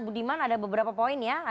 budiman ada beberapa poin ya